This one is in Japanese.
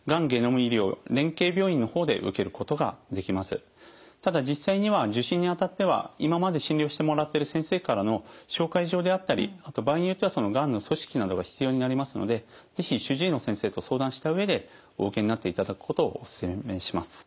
現在ではただ実際には受診にあたっては今まで診療してもらってる先生からの紹介状であったりあと場合によってはがんの組織などが必要になりますので是非主治医の先生と相談した上でお受けになっていただくことをお勧めします。